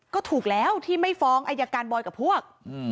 ก็ถูกแล้วที่ไม่ฟ้องอายการบอยกับพวก